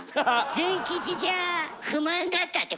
ズン吉じゃ不満だったってことか？